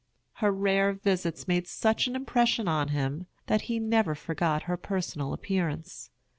Her rare visits made such an impression on him that he never forgot her personal appearance.